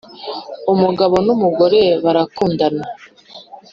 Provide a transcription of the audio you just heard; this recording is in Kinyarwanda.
umugabo n'umugore barakundana